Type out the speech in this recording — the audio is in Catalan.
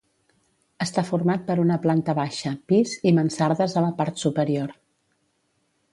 Està format per una planta baixa, pis i mansardes a la part superior.